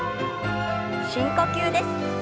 深呼吸です。